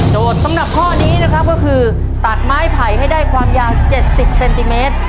สำหรับข้อนี้นะครับก็คือตัดไม้ไผ่ให้ได้ความยาว๗๐เซนติเมตร